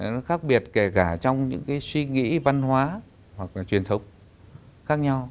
nó khác biệt kể cả trong những cái suy nghĩ văn hóa hoặc là truyền thống khác nhau